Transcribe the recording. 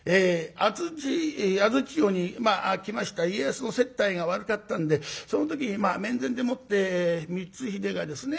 安土城に来ました家康の接待が悪かったんでその時にまあ面前でもって光秀がですね「